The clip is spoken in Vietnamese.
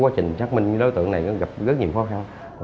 quá trình xác minh đối tượng này gặp rất nhiều khó khăn